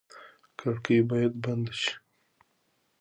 کړکۍ باید بنده شي.